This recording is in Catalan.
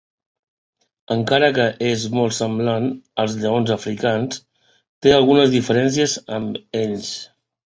Encara que és molt semblant als lleons africans té algunes diferències amb ells.